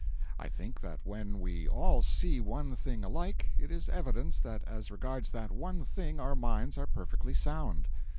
I think that when we all see one thing alike, it is evidence that as regards that one thing, our minds are perfectly sound.